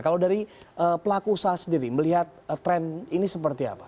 kalau dari pelaku usaha sendiri melihat tren ini seperti apa